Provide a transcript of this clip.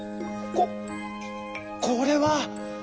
ここれは！」。